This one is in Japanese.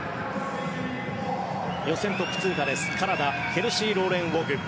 予選トップ通過、カナダケルシー・ローレン・ウォグ。